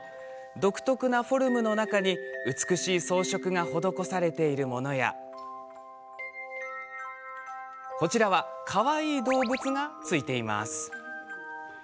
独特なフォルムの中に美しい装飾が施されているものやかわいい動物がついているもの。